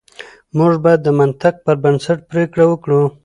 موږ بايد د منطق پر بنسټ پرېکړه وکړو.